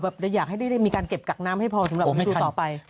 อยากให้ได้มีการเก็บกักน้ำให้พอสำหรับฤดูต่อไป